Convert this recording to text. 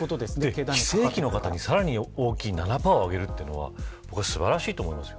非正規の方に、さらに大きい７％上げるというのはこれ、素晴らしいと思いますよ。